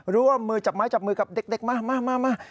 ร่วมมือจับไม้จับมือกับเด็กมามา